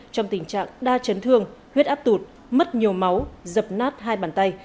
trong tình trạng đa chấn thương huyết áp tụt mất nhiều máu dập nát hai bàn tay